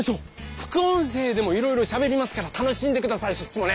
副音声でもいろいろしゃべりますから楽しんでくださいそっちもね。